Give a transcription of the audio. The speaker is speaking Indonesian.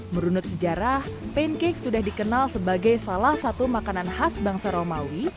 merunut sejarah pancake sudah dikenal sebagai salah satu makanan khas bangsa romawi